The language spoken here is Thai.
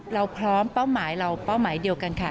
เราพร้อมเป้าหมายเราเป้าหมายเดียวกันค่ะ